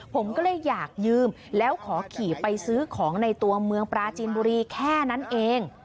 ผมก็เลยอยากยืมแล้วขอขี่ไปซื้อของในตัวเมืองปราจีนบุรีแค่นั้นเอง